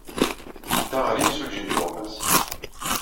Tedda ɣer yimsujji n tuɣmas.